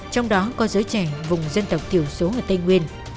trong đó có giới trẻ vùng dân tộc thiểu số ở tây nguyên